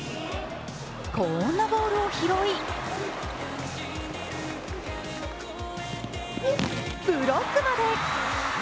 こーんなボールを拾い、ブロックまで。